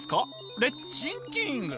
レッツシンキング！